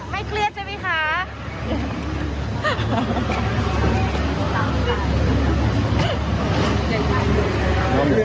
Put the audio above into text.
เครียดใช่ไหมคะ